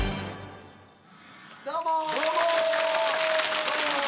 どうも！